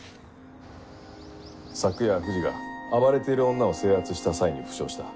昨夜藤が暴れている女を制圧した際に負傷した。